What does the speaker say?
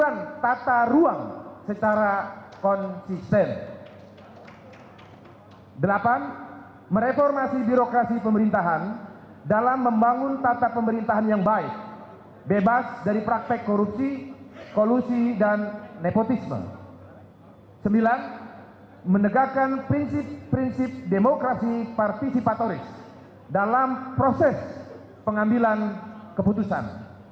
demokrasi partisipatoris dalam proses pengambilan keputusan